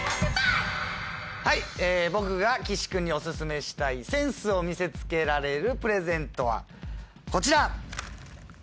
はい僕が岸君にお薦めしたいセンスを見せつけられるプレゼントはこちら！